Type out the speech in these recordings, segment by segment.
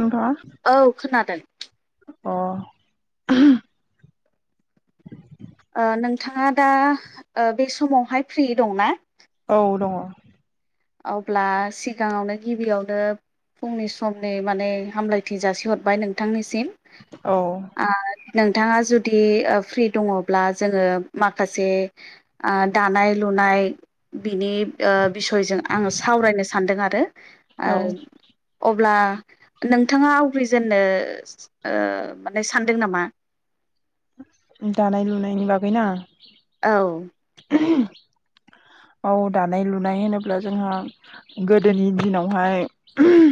नोंथाङा औ खोनादों अ ओ नोंथाङा दा ओ बे समावहाय फ्रि दंना? औ दङ अब्ला सिगाङावनो गिबियावनो फुंनि समनि माने हामलायथि जासिहरबाय नोंथांनिसिम औ आरो नोंथाङा जुदि फ्रि दङब्ला जोङो माखासे ओ दानाय लुनाय नाय बिनि ओ बिसय आं सावरायनो सानदों आरो औ ओ अब्ला नोंथाङा आवग्रिजेननो ओ माने सानदों नामा दानाय लुनायनि बागै ना औ [inaudible] औ दानाय लुनाय होनोब्ला जोंहा गोदोनि दिनावहाय ओम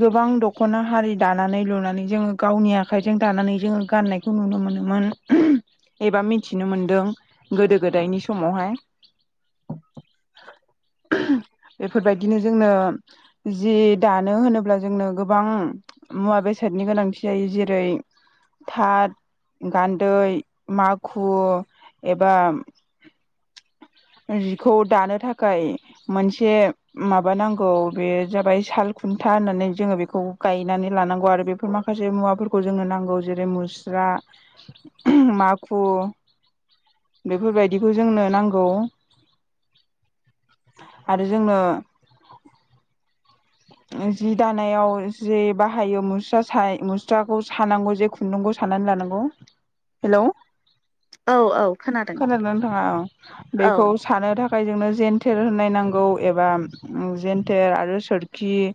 गोबां दखना हारि दानानै लुनानै जोङो गावनि आखाइजों दानानै जोङो गाननायखौ नुनो मो मोनोमोन ओम एबा मिथिनो मोनदों गोदो गोदायनि समावहाय [inaudible] ओम बेफोरबायदिनो जोंनो जि दा मानो होनोब्ला जोंनो गोबां मुवा बेसादनि गोनांथि जायो जेरै थार गान्दै, माखु एबा [inaudible] जिखौ दानो थाखाय मोनसे माबा नांगौ बे जाबाय साल खुन्था होननानै जोङो बेखौ गायनानै लानांगौ आरो बेफोर माखासे मुवाफोरखौ जोंनो नांगौ जेरै मुस्रा स्रा ओम माखु बेफोरबायदिखौ जोंनो नांगौ आरो जोंनो जि दानायाव जे बाहायो मुस्रा सा मुस्राखौ सानांगौ जे खुन्दुंखौ सानानै लानांगौ हेलौ औ औ खोनादों खोनादो ना नोंथाङा औ बेखौ सानो थाखाय जोंनो जेन्थेर होननाय नांगौ एबा ओम जेन्थेर आरो सोर खि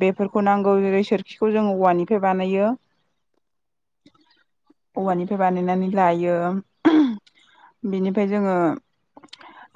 बेफोरखौ नांगौ जेरै सोरखिखौ जों औवानिफ्राय बानायो [inaudible] औवानिफ्राय बानायनानै लायो ओहोम बेनिफ्राय जोङो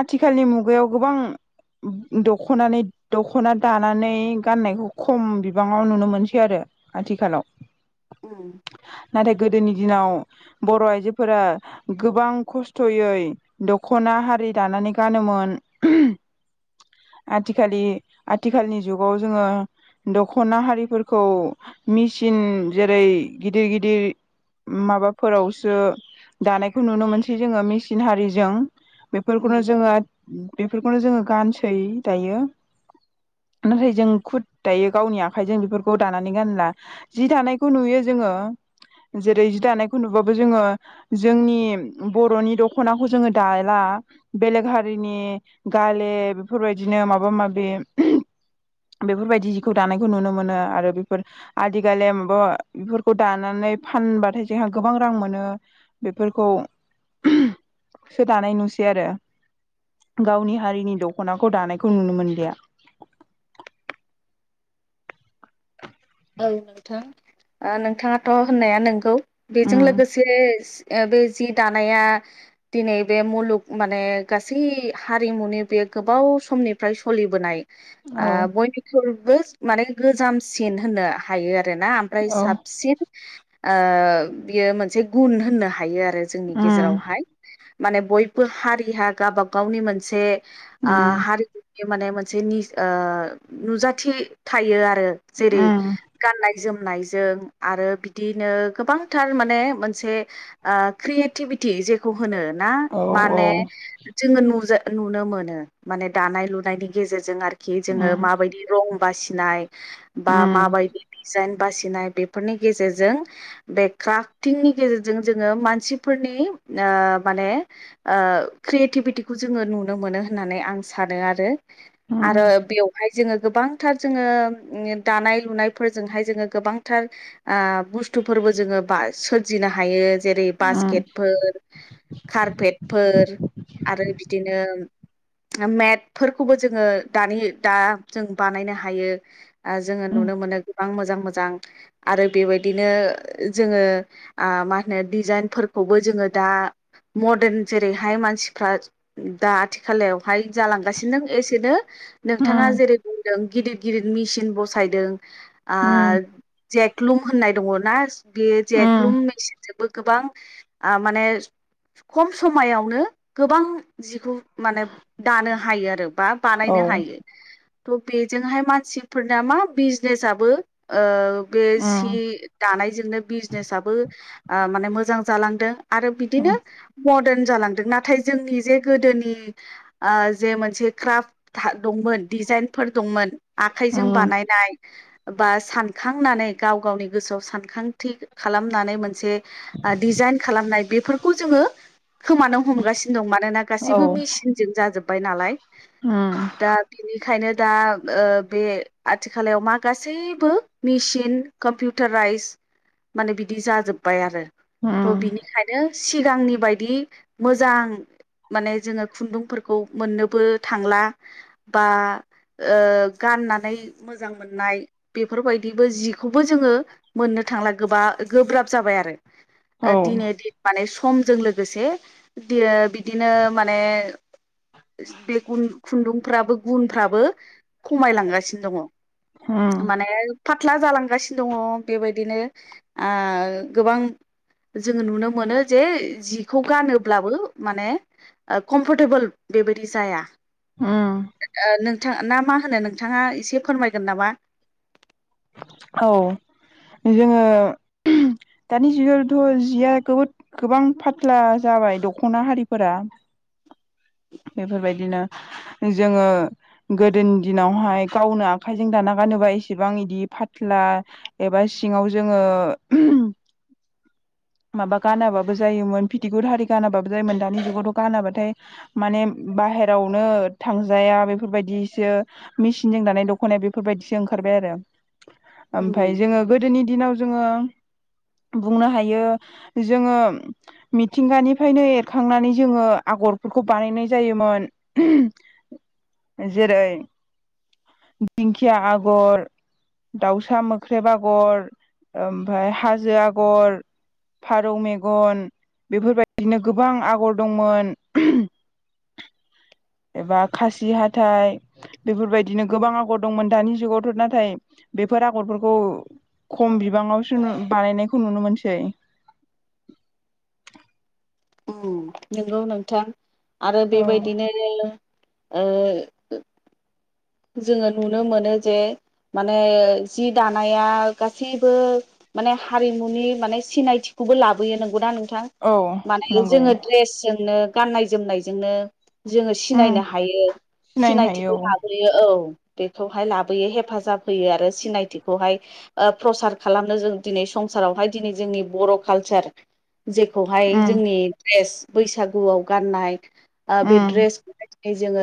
आथिखालनि मुगायाव गोबां दख'नानै दख'ना दानानै गाननायखौ खम बिबाङाव नुनो मोनसै आरो आथिखालाव औ थाय गोदोनि दिनाव बर' आइजोफोरा गोबां खस्थ'यै दख'ना दा हारि दानानै गानोमोन ओहोम आथिखालि आथिखालनि जुगाव जोङो दख'ना हारिफोरखौ मिचिन जेरै गिदिर गिदिर माबाफोरावसो दानायखौ नुनो मोनसै जोङो मेसिन हारिजों उम बेफोरखौनो जोङो बेफोरखौनो जोङो गानसै दायो [inaudible] नाथाय जों खुद दायो गावनि आखाइजों बेफोरखौ दानानै गानला जि दानायखौ नुयो जोङो जेरै जि दानायखौ नुबाबो जोङो जोंनि बर'नि दख'नाखौ जोङो दाला बेलेग हारिनि गाले बेफोरबायदिनो माबा माबि [inaudible] बेफोरबायदि जिखौ दानायखौ नुनो मोनो आरो बेफोर आदिखालि माबा बेफोरखौ दानानै फानबाथाय जोंहा गोबां रां मोनो बेफोरखौ सोदानाय नुसै आरो। गावनि हारिनि दख'नाखौ दानायखौ नुनो मोनलिया। औ नोंथां ओ नोंथाङाथ होननाया नंगौ बेजों उम लोगोसे ओ बे जि दानाया दिनै बे मुलुग माने गासै हारिमुनि बे गोबाव समनिफ्राय सोलिबोनाय। ओ औ बयनिख्रुबो माने गोजामसिन होननो हायो आरो रोना ओमफ्राय औ साबसिन ओ बियो मोनसे गुन होननो हायो आरो। जोंनि उम गेजेरावहाय माने बयबो हारिहा गावाब गावनि मोनसे ओ उम हारिमुनि माने मोनसे निज ओ नुजाथि थायो आरो। जेरै उम गाननाय जोमनायजों आरो बिदिनो गोबांथार माने मोनसे ओ क्रियेटिभि टि जेखौ होनो ना औ औ माने जोङो नुजा नुनो मोनो माने दानाय लुनायनि गेजेरजों आरोखि जोङो उम माबायदि रं बासिनाय बा उम माबायदि डिजाइन बासिनाय बेफोरनि गेजेरजों बे क्राफटिंनि गेजेरजों जोङो मानसिफोरनि ओ माने ओ क्रियेटिभिटिखौ जोङो नुनो मोनो होननानै आं सानो आरो। आरो उम बेवहाय जोङो गोबांथार जोङो दानाय लुनाय फोरजोंहाय जोङो गोबांथार ओ बुस्थुफोरबो जोङो बा सोरजिनो हायो। जेरै उम बास्केटफोर कारपेटफोर आरो बिदिनो [inaudible] मेट फोरफोरखौबो जोङो दानि दा जों बानायनो हायो ओ जोङो उम नुनो मोनो गोबां मोजां मोजां आरो बेबायदिनो जोङो ओ मा होनो दिडजाइनफोरखौबो जोङो दा मदारन जेरैहाय मानसिफ्रा दा आथिखालाव हाय जालांगासिनो एसेनो नोंथाङा उम जेरै बुंदों गिदिर गिदिर मेसिन बसायदों ओ उम जेकलुम होननाय दङना बेयो जेकलुम मेसिनजोंबो गोबां ओ माने खम समायावनो गोबां जिखौ माने दानो हायो आरो। बा औ बानायनो उम हायो थ' बेजोंहाय मानसिफोरना मा बिजनेसआबो ओ बे सि दानायजोंनो बिजनेसआबो ओ माने मोजां जालांदों आरो उम बिदिनो उम मद दार्न जालांदों नाथाय जोंनि जे गोदोनि जे मोनसे क्राफ्ट दंमोन डिजाइनफोर दंमोन आखाइजों बानाय बा सानखांनानै गाव गावनि गोसोआव सानखांथि खालामनानै मोनसे डिजाइन खालामनाय बेफोरखौ जोङो खोमानो हमगासिनो दं मानोना औ उम औ गासैबो मेसिनजों जाजोबबाय नालाय। दा बेनिखायनो दा ओ बे आथिखालाव मा गासैबो मेसिन कम्पिउटाराइज माने बिदि जाजोब्बाय आरो थ' बिनिखायनो सिगांनि बायदि मोजां माने जोङो खुन्दुंफोरखौ मोननोबो थांला बा ओ गाननानै मोजां मोननाय बेफोरबायदिबो जिखौबो जोङो मोननो थांला गोबा गोब्राब जाबाय आरो। ओ दिने दिन माने स समजों लोगोसे बिदिनो माने बे खुन-खुन्दुंफ्राबो गुनफ्राबो खमायलांगासिनो दङ उम माने फाथ्ला जालांगासिनो दङ बेबायदिनो ओ गोबां जोङो नुनो मोनो जे जिखौ गानोब्लाबो माने कम्फर्टेबोल बेबायदि जाया। ओम थां ना मा होनो नोंथाङा एसे फोरमायगोन नामा? औ। जा दानि जुगावथ' जिया गोबां फाथ्ला जाब जाबाय दख'ना हारिफोरा। [inaudible] बेफोरबायदिनो जोङो गोदोनि दिनावहाय गावनो आखायजों दाना गानोबा इसेबां बिदि फाथ्ला एबा सिङाव जोङो [inaudible] माबा गानाबाबो जायोमोन फिथिगुर हारि गानाबाबो जायोमोन दानि जुगावथ' गानाबाथाय माने बाहेरावनो थांजाया बेफोरबायदिसो मेचिनजों दानाय दख'नाया बेफोरबायदिसो ओंखारबाय आरो। उम ओमफाय जोङो गोदोनि दिनाव जोङो। बुंनो हायो जोङो मिथिंगानिफ्रायनो एरखांनानै जोङो आग गरफोरखौ बानायनाय जायोमोन जेरै दिंखिया आगर दाउसा मोख्रेब आगर ओमफफाय हाजो आगर। फारौ मेगन बेफोरबायदिनो गोबां आगर दंमोन। एबा खासि हाथाय। बेफोरबायदिनो गोबां आगर दंमोन दानि जुगावथ' नाथाय बेफोर आगरफोरखौ खम बिबाङावसो बानायनायखौ नुनो मोनसै [inaudible] नंगौ नोंथां आरो औ बेबायदिनो ओ जोङो नुनो मोनो जे माने जि दानाया गासैबो माने हारिमुनि माने सिनायथि। खौबो लाबोयो नंगौनाा नोंथां औ माने नंगौ जोङो द्रेसजोंनो गाननाय जोमनायजोंनो। जोङो सिनायनो हायो सिनायनो हायो सिनायथिखौ औ ला औ बेखौहाय लाबोयो हेफाजाब होयो आरो सिनायथिखौहाय ओ प्रसार खालामनो जों दिनै संसारावहाय दिनै जोंनि बर' कालसार जेखौहाय उम जोंनि ड्रेस बैसागुआव गाननाय आ बे उम ड्रेस जोङो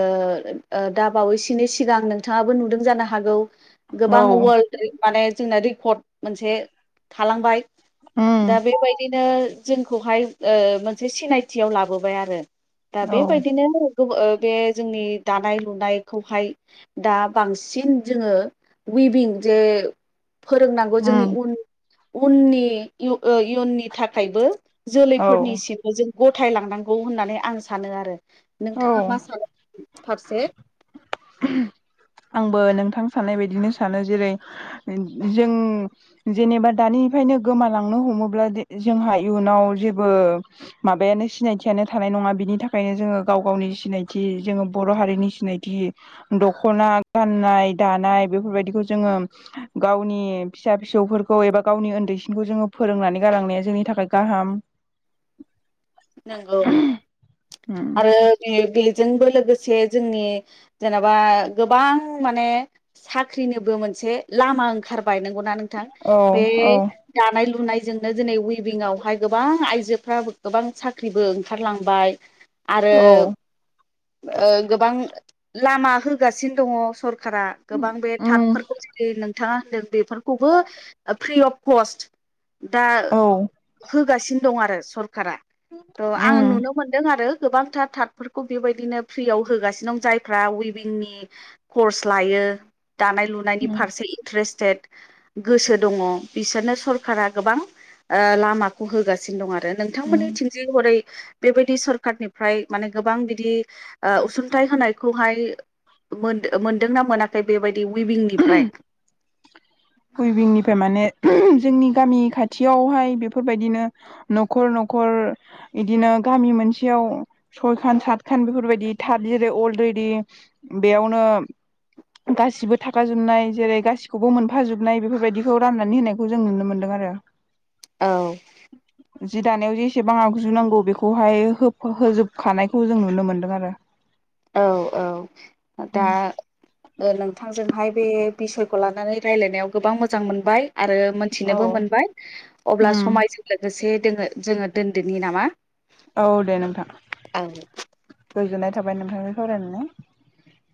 ओ दा बावैसोनि सिगां नोंथाङाबो नुदों जानो हागौ। गोबां औ वर्ल्ड माने जोंना रेकर्ड मोनसे थालांबाय। उम दा बेबायदिनो जोंखौहाय ओ मोनसे सिनायथियाव लाबोबाय आरो दा औ बेबायदिनो ओ बे जोंनि दानाय लुनाय खौहाय दा बांसिन जोङो उइभिं जे फोरोंनांगौ जोंनि उम उन उननि ओ इयुननि थाखायबो। औ जोलैफोरनिसिमबो जों गथायलांनांगौ होननानै आं सानो आरो। नोंथाङा औ मा सानो फारसे? [inaudible] आंबो नोंथां साननाय बायदिनो सानो जेरै जों जेनेबा दानि फ्रायनो गोमालांनो हमोब्ला जोंहा इयुनाव जेबो माबानो सिनायथियानो थानाय नङा बिनि थाखायनो जोङो गाव गावनि सिनायथि जोङो बर' हारिनि सिनायथि। दख'ना गाननाय दानाय बेफोरबायदिखौ जोङो गावनि फिसा फि सौ फोरखौ एबा गावनि उन्दैसिनखौ जोङो फोरोंनानै गालांनाया जोंनि थाखाय गाहाम। नंगौ उम आरो बेयो बे जोंबो लोगोसे जोंनि जेनेबा गोबां माने साख्रिनोबो मोन से लामा ओंखारनांगौ नोंथां औ बे औ दानाय लुनाय जोंनो दिनै उइभिं आवहाय गोबां आइजोफ गोबां साख्रिबो ओंखारलांबाय आरो औ ओ गोबां लामा होगासिनो दङ सर कारा गोबां बे उम थाकफोरखौ जेरै नोंथाङा होनदों बेफोरखौबो फ्रि अफ [unintelligible] कस्ट दा औ होगासिनो दं आरो सरकारा थ' आं उम नुनो मोनदों आरो गोबांथार टाटफोरखौ बेबायदिनो फ्रियाव होगासिनो दं जायफ्रा उइभिंनि कर्स लायो दानाय लुनायनि उम फारसे इन्ट्रेस्ट टेट गोसो दङ बिसोरनो सरखारा गोबां ओ लामाखौ होगासिनो दं आरो नोंथांमोननो उम [unintelligible] बेबायदि सरखारनिफ्राय माने गोबां बिदि ओ उसुंथाइ होनायखौहाय मोन मोनदोंना मोनाखै बेबायदि उइभिंनिफ्राय कुइबिंनिफ्राय माने [unintelligible] जोंनि गामि खाथियावहाय बेफोरबायदिनो न'खर न'खर इदिनो गामि मोनसेयाव सयखान साठखान बेफोरबायदि टाट जेरै अलरेदि बेयाव ओ गासिबो थाखाजोबनाय जेरै गासि खौबो मोनफा जोबनाय बेफोरबायदिखौ राननानै होनायखौ जों नुनो मोनदों आरो औ जि दानायाव जेसेबां आगजुनांगौ बेखौहाय होब होजोबखानायखौ जों नुनो मोनदों आरो औ औ दा ओ नोंथांजों आवहाय बे बिसयखौ लानानै राय्लायनायाव गोबां मोजां मोनबाय आरो मोनथिनोबो औ मोनबाय अब्ला उम समायजों लोगोसे दङो जोङो दोन्दोनि नामा औ दे नोंथां औ गोजोननाय थाबाय ओमफ्राय [unintelligible]